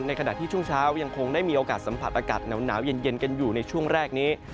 ขณะที่ช่วงเช้ายังคงได้มีโอกาสสัมผัสอากาศหนาวเย็นกันอยู่ในช่วงแรกนี้